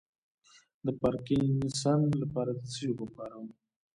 د پارکینسن لپاره د څه شي اوبه وکاروم؟